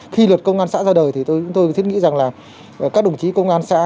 khi lực công an xã ra đời thì tôi thích nghĩ rằng là các đồng chí công an xã